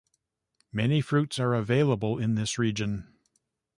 Many fruits are available in this region.